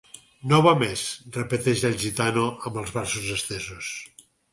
No va més —repeteix el gitano amb els braços estesos.